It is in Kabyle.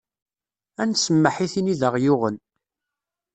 Ad n-smmeḥ i tin i d aɣ-yuɣen.